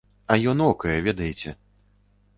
А ён окае, ведаеце.